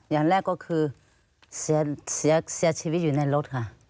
อย่างแรกก็คือเสียชีวิตอยู่ในรถค่ะ